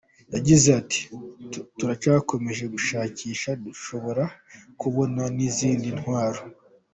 Yagize ati "Turacyakomeje gushakisha, dushobora kubona n’izindi ntwaro”.